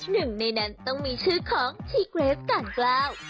หนึ่งในนั้นต้องมีชื่อของชีเกรสต่างกล้า